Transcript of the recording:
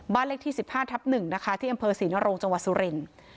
บ้านเลขที่สิบห้าทับหนึ่งนะคะที่อำเภอศรีนรงค์จังหวัดสุเรน